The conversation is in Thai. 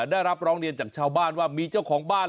ได้รับร้องเรียนจากชาวบ้านว่ามีเจ้าของบ้าน